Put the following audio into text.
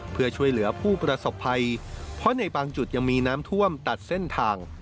เพื่อช่วยเหลือผู้ประสบภัยเพราะในบางจุดยังมีน้ำท่วมตัดเส้นทาง